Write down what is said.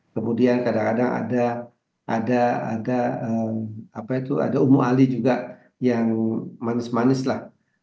kemudian kadang kadang ada apa itu ada umu ali juga yang manis manis lah